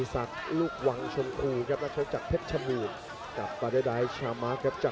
สำหรับฝาทะโละชั่วโบะ